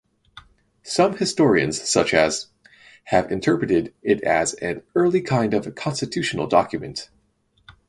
Some historians such as have interpreted it as an early kind of constitutional document.